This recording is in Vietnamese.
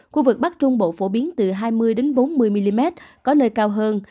khu vực bắc trung bộ phổ biến từ hai mươi bốn mươi mm có nơi cao hơn